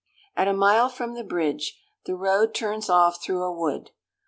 "At a mile from the bridge, the road turns off through a wood.